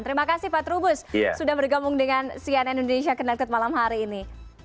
terima kasih pak trubus sudah bergabung dengan cn indonesia connected malam hari ini